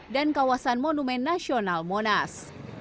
dan kawasan monumen nasional monas